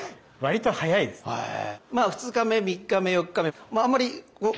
２日目３日目４日目ま